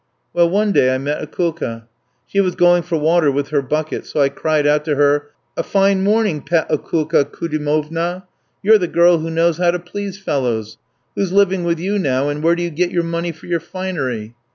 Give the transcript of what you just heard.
"Well, one day, I met Akoulka, she was going for water with her bucket, so I cried out to her: 'A fine morning, pet Akoulka Koudimovna! you're the girl who knows how to please fellows. Who's living with you now, and where do you get your money for your finery?'